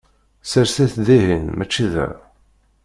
Sers-it dihin, mačči da!